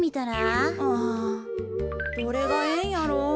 あどれがええんやろう？